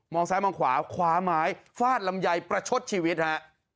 ซ้ายมองขวาคว้าไม้ฟาดลำไยประชดชีวิตฮะ